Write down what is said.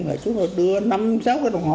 là chúng tôi đưa năm sáu cái đồng hồ